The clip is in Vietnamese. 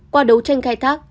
qua đấu tranh khai thác